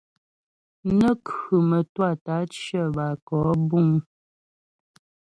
Nə́ khʉ mə́twâ tə́ á cyə bə́ á kɔ'ɔ buŋ.